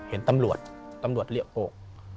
เห็นตำรวจตำรวจเรียกอก